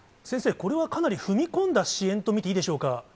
先生、これはかなり踏み込んだ支援と見ていいでしょうか。